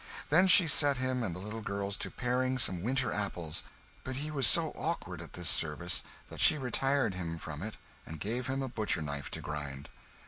Then she set him and the little girls to paring some winter apples; but he was so awkward at this service that she retired him from it and gave him a butcher knife to grind.